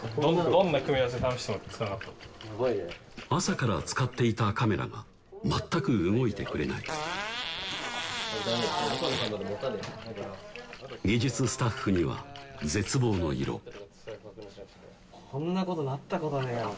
どんな組み合わせ試してもつかなかった朝から使っていたカメラが全く動いてくれない技術スタッフには絶望の色こんなことなったことねえよ